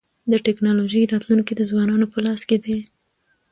د ټکنالوژی راتلونکی د ځوانانو په لاس کي دی.